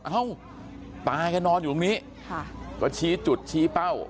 เอ้าตาแกนอนอยู่ตรงนี้ก็ชี้จุดชี้เป้า